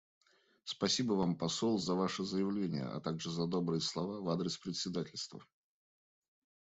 Спасибо Вам, посол, за Ваше заявление, а также за добрые слова в адрес председательства.